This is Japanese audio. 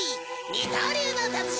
二刀流の達人。